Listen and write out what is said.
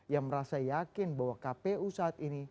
yang merasa yakin bahwa kpu saat ini